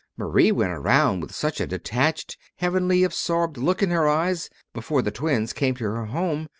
Marie went around with such a detached, heavenly, absorbed look in her eyes, before the twins came to her home.